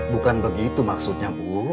bukan begitu maksudnya bu